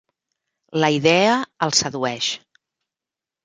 La idea el sedueix.